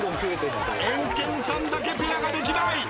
エンケンさんだけペアができない！